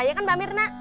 iya kan mbak mirna